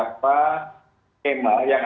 berapa kemah yang